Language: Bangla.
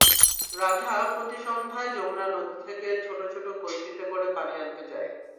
রাধা প্রতি সন্ধ্যায় যমুনা নদী থেকে ছোট কলসিতে করে পানি আনতে যায়।